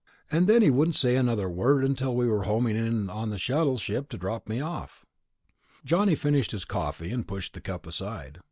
And then he wouldn't say another word until we were homing in on the shuttle ship to drop me off." Johnny finished his coffee and pushed the cup aside.